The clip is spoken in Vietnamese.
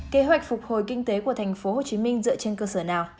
kế hoạch phục hồi kinh tế của thành phố hồ chí minh dựa trên cơ sở nào